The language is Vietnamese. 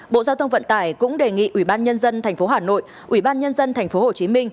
bộ giao thông vận tải cũng đề nghị ủy ban nhân dân tp hà nội ủy ban nhân dân tp hcm